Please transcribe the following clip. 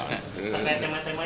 tema temanya gimana pak